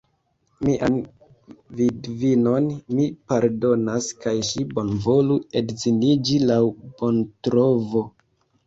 Mian vidvinon mi pardonas, kaj ŝi bonvolu edziniĝi laŭ bontrovo.